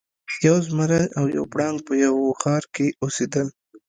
یو زمری او یو پړانګ په یوه غار کې اوسیدل.